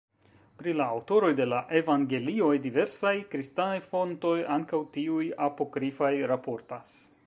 Pri la aŭtoroj de la evangelioj diversaj kristanaj fontoj, ankaŭ tiuj apokrifaj raportas.